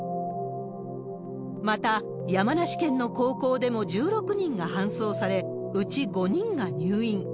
また、山梨県の高校でも１６人が搬送され、うち５人が入院。